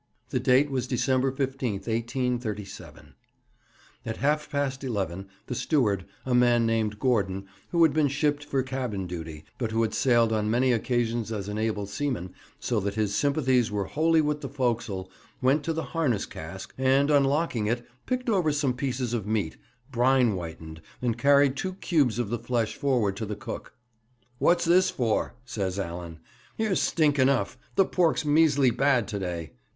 The date was December 15, 1837. At half past eleven, the steward, a man named Gordon, who had been shipped for cabin duty, but who had sailed on many occasions as an able seaman, so that his sympathies were wholly with the forecastle, went to the harness cask, and, unlocking it, picked over some pieces of meat, brine whitened, and carried two cubes of the flesh forward to the cook. 'What's this for?' says Allan. 'Here's stink enough. The pork's measly bad to day!'